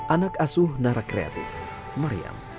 anak asuh nara kreatif maryam